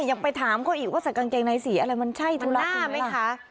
ยังไปถามเขาอีกว่าใส่กางเกงในสีอะไรมันใช่ทูน่าไหมคะ